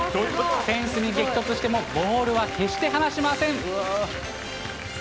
フェンスに激突してもボールは決してはなしません。